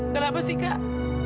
kenapa sih kak